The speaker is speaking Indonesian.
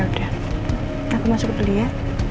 ya udah aku masuk dulu ya